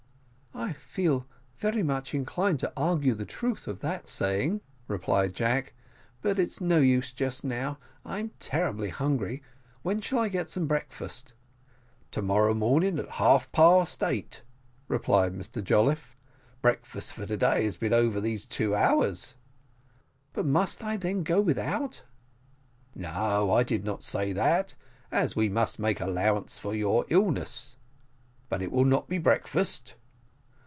'" "I feel very much inclined to argue the truth of that saying," replied Jack; "but it's no use just now. I'm terribly hungry when shall I get some breakfast?" "To morrow morning at half past eight," replied Mr Jolliffe. "Breakfast for to day has been over these two hours." "But must I then go without?" "No, I do not say that, as we must make allowances for your illness; but it will not be breakfast."